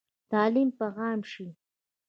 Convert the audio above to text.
تعلیم به عام شي؟